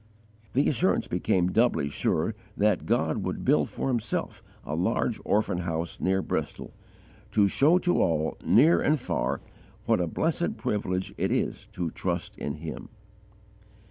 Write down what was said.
The assurance became doubly sure that God would build for Himself a large orphan house near Bristol, to show to all, near and far, what a blessed privilege it is to trust in Him.